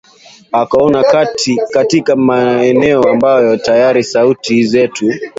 akaona katika maeneo ambayo tayari sauti zetu